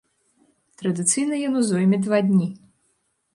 Традыцыйна яно зойме два дні.